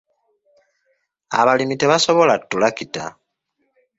Abalimi tebasobola ttulakita.